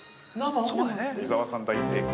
◆伊沢さん、大正解。